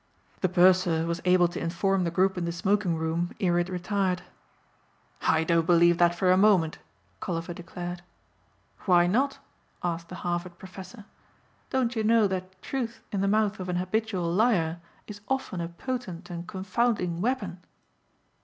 The purser was able to inform the group in the smoking room ere it retired. "I don't believe that for a moment," Colliver declared. "Why not?" asked the Harvard professor, "don't you know that truth in the mouth of an habitual liar is often a potent and confounding weapon?"